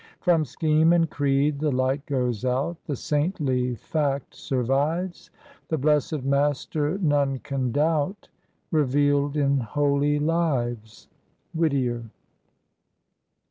From scheme and creed the light goes out, The saintly fact survives; The blessed Master none can doubt Revealed in holy lives." WHITIER.